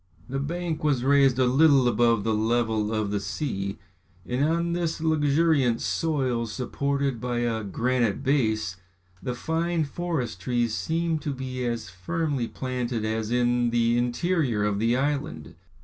The bank was raised a little above the level of the sea, and on this luxuriant soil supported by a granite base, the fine forest trees seemed to be as firmly planted as in the interior of the island.